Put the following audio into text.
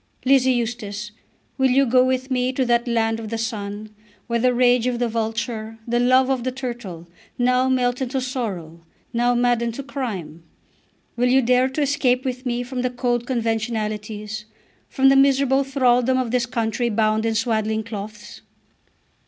Lizzie Eustace, will you go with me, to that land of the sun, Where the rage of the vulture, the love of the turtle, Now melt into sorrow, now madden to crime? Will you dare to escape with me from the cold conventionalities, from the miserable thraldom of this country bound in swaddling cloths?